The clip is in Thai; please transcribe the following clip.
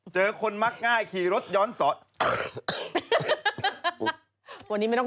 เจอคนมักง่ายขี่รถย้อนสอน